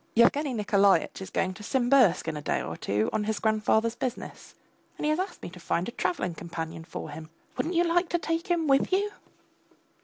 Yevgeny Nikolaitch is going to Simbirsk in a day or two on his grandfather's business, and he has asked me to find a travelling companion for him; wouldn't you like to take him with you?